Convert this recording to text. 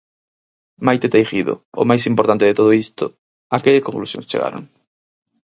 Maite Teijido, o máis importante de todo isto, a que conclusións chegaron?